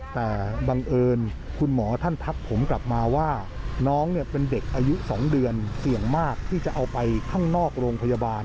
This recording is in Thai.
แต่บังเอิญคุณหมอท่านทักผมกลับมาว่าน้องเป็นเด็กอายุ๒เดือนเสี่ยงมากที่จะเอาไปข้างนอกโรงพยาบาล